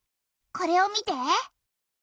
これを見て。